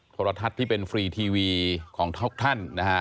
โทรทัศน์ที่เป็นฟรีทีวีของท็อกท่านนะฮะ